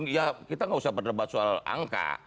ya kita nggak usah berdebat soal angka